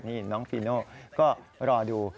นี่น้องฟีโน่ก็รอดู